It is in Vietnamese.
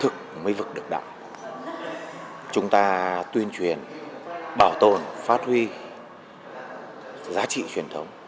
chúng ta tuyên truyền bảo tồn phát huy giá trị truyền thống